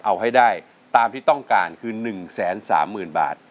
เอาให้ได้ตามที่ต้องการคือ๑๓๐๐๐บาท